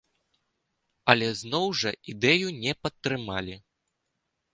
Але зноў жа ідэю не падтрымалі.